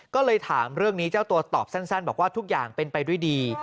ก็เลยถามเรื่องนี้เจ้าตัวตอบสั้นบอกว่าทุกอย่างเป็นไปด้วยดี